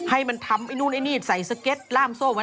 ให้มันทำนู้นไอหนี่ใส่สเก็ตร่ามโซ่ไหว